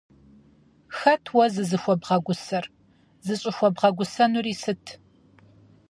Хэт уэ зызыхуэбгъэгусэр? ЗыщӀыхуэбгъэгусэнури сыт?